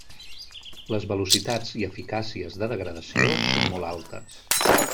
Les velocitats i eficàcies de degradació són molt altes.